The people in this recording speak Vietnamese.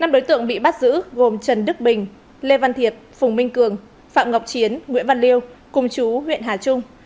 năm đối tượng bị bắt giữ gồm trần đức bình lê văn thiệp phùng minh cường phạm ngọc chiến nguyễn văn liêu cùng chú huyện hà trung